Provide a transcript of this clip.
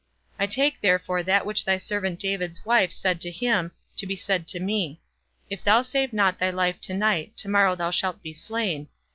I take therefore that which thy servant David's wife said to him, to be said to me, If thou save not thy life to night, to morrow thou shalt be slain.